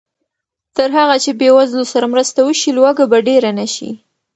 تر هغه چې بېوزلو سره مرسته وشي، لوږه به ډېره نه شي.